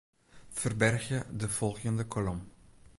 Ferbergje de folgjende kolom.